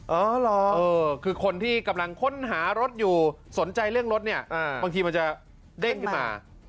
อ๋อเหรอคือคนที่กำลังค้นหารถอยู่สนใจเรื่องรถเนี่ยบางทีมันจะเด้งขึ้นมา